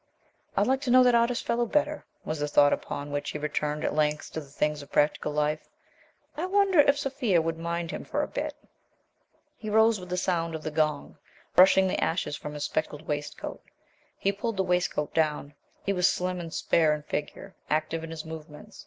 "I'd like to know that artist fellow better," was the thought upon which he returned at length to the things of practical life. "I wonder if Sophia would mind him for a bit ?" He rose with the sound of the gong, brushing the ashes from his speckled waistcoat. He pulled the waistcoat down. He was slim and spare in figure, active in his movements.